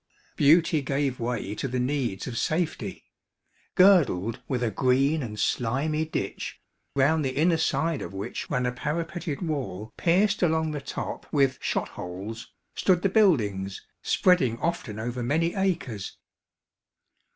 Beauty gave way to the needs of safety. Girdled with a green and slimy ditch, round the inner side of which ran a parapeted wall pierced along the top with shot holes, stood the buildings, spreading often over many acres.